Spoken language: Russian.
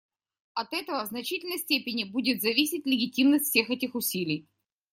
От этого в значительной степени будет зависеть легитимность всех этих усилий.